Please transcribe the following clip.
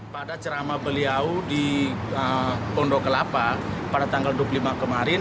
pada ceramah beliau di pondok kelapa pada tanggal dua puluh lima kemarin